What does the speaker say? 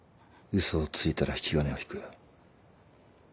嘘をついたら引き金を引く。